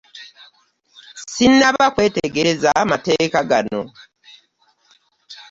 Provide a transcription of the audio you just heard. Ssinnaba kwetegereza mateeka gano.